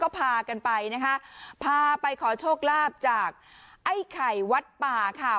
ก็พากันไปนะคะพาไปขอโชคลาภจากไอ้ไข่วัดป่าค่ะ